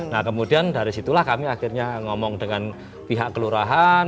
nah kemudian dari situlah kami akhirnya ngomong dengan pihak kelurahan